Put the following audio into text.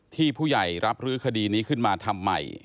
ผู้ใหญ่รับรื้อคดีนี้ขึ้นมาทำใหม่